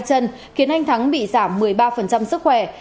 chân khiến anh thắng bị giảm một mươi ba sức khỏe